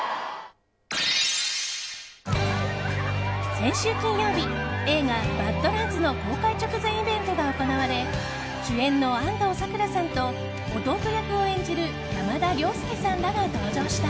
先週金曜日映画「バッド・ランズ」の公開直前イベントが行われ主演の安藤サクラさんと弟役を演じる山田涼介さんらが登場した。